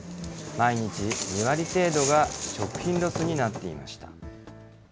毎日２割程度が食品ロスになっていました。